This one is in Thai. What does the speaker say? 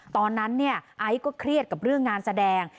ตอนนั้นไอซ์ก็เครียดกับเรื่องงานแสดง